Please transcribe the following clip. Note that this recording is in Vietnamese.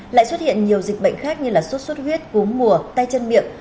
lại xuất hiện nhiều dịch bệnh khác như suốt suốt huyết cú mùa tay chân miệng